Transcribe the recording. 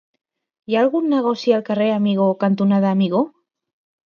Hi ha algun negoci al carrer Amigó cantonada Amigó?